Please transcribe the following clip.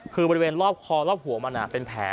คือบริเวณรอบคอรอบหัวมันเป็นแผล